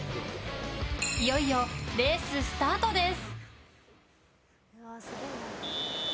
いよいよ、レーススタートです。